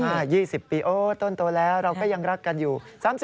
๒๐ปีโอ้ต้นโตแล้วเราก็ยังรักกันอยู่